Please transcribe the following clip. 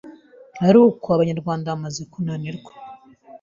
aruko Abanyarwanda bamaze kunanirwa.